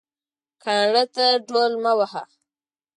کاڼه ته ډول مه وهه